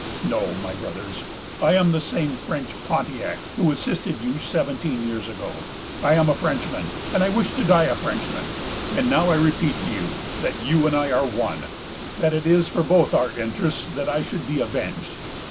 No, my Brothers; I am the same French Pontiac who assisted you seventeen years ago. I am a Frenchman, and I wish to die a Frenchman; and I now repeat to you that you and I are one——that it is for both our interests that I should be avenged.